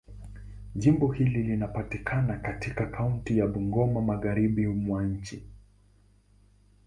Jimbo hili linapatikana katika kaunti ya Bungoma, Magharibi mwa nchi.